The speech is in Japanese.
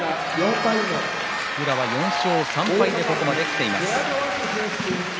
宇良は４勝３敗でここまできています。